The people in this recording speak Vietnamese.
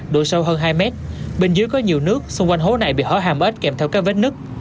độ sâu hơn hai mét bên dưới có nhiều nước xung quanh hố này bị hở hàm ết kèm theo các vết nứt